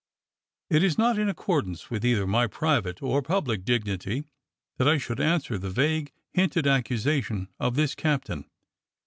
It is not in accordance with either my private or public dignity that I should answer the vague, hinted accusation of this captain.